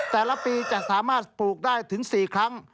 แต่ละปีจะสามารถปลูกได้ถึง๔ครั้ง